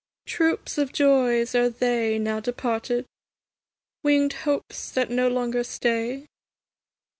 Troops of joys are they, now departed? Winged hopes that no longer stay?